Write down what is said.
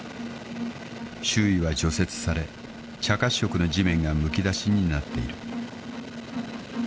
［周囲は除雪され茶褐色の地面がむき出しになっている］